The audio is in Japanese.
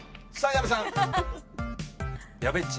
矢部さん。